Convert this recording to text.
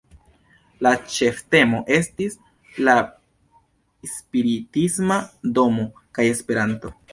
La ĉeftemo estis "La Spiritisma Domo kaj Esperanto".